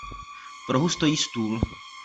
V rohu stojí stůl.